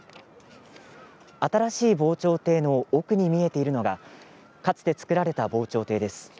新しい防潮堤の奥に見えているのがかつて造られた防潮堤です。